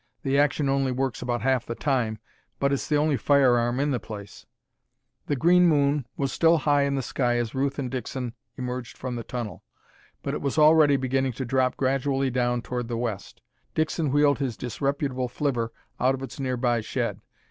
"The action only works about half the time, but it's the only firearm in the place." The green moon was still high in the sky as Ruth and Dixon emerged from the tunnel, but it was already beginning to drop gradually down toward the west. Dixon wheeled his disreputable flivver out of its nearby shed.